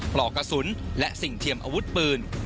ปลอกกระสุนและสิ่งเทียมอาวุธปืน